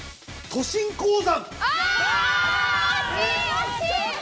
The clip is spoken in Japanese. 都市鉱山。